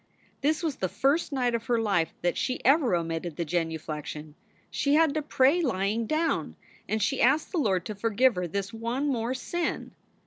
This was the first night of her life that she ever omitted that genu flection. She had to pray lying down, and she asked the Lord to forgive her this one more sin.